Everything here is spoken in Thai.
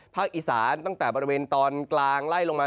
อีสานตั้งแต่บริเวณตอนกลางไล่ลงมา